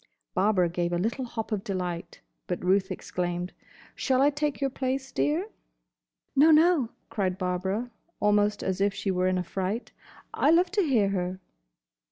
Barbara gave a little hop of delight, but Ruth exclaimed, "Shall I take your place, dear?" "No, no," cried Barbara, almost as if she were in a fright, "I love to hear her."